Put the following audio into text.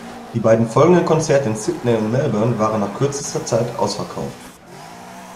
Die beiden folgenden Konzerte in Sydney und Melbourne waren nach kürzester Zeit ausverkauft.